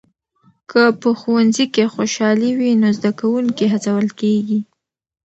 که په ښوونځي کې خوشالي وي نو زده کوونکي هڅول کېږي.